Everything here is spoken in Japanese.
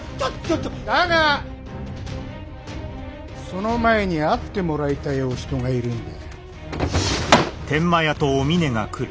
だがその前に会ってもらいたいお人がいるんだ。